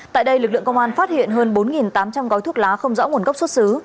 tại đây lực lượng công an phát hiện hơn bốn tám trăm linh gói thuốc lá không rõ nguồn gốc xuất xứ